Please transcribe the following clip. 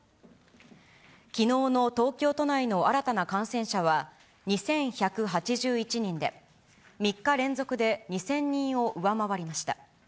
きのうの東京都内の新たな感染者は２１８１人で、３日連続で２０００人を上回りました。